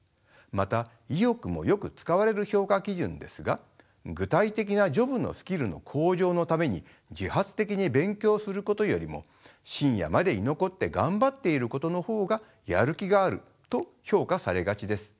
また「意欲」もよく使われる評価基準ですが具体的なジョブのスキルの向上のために自発的に勉強することよりも深夜まで居残って頑張っていることのほうがやる気があると評価されがちです。